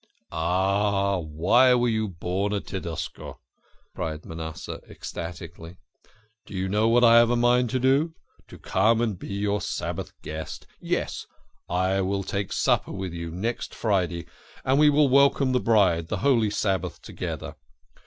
"Ah, why were you born a Tedesco !" cried Manasseh ecstatically. "Do you know what I have a mind to do? To come and be your Sabbath guest ! Yes, I will take supper with you next Friday, and we will welcome the Bride the holy Sabbath together